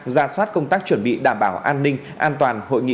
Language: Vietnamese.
ra soát công tác chuẩn bị đảm bảo an ninh an toàn hội nghị